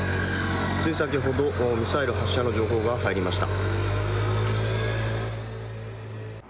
つい先ほど、ミサイル発射の情報が入りました。